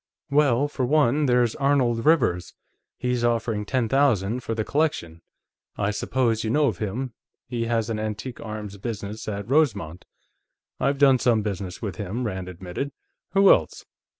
"Well, for one, there's Arnold Rivers; he's offering ten thousand for the collection. I suppose you know of him; he has an antique arms business at Rosemont." "I've done some business with him," Rand admitted. "Who else?"